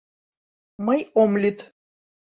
Мый ом лӱд...